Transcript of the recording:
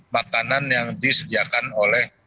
makanan yang disediakan oleh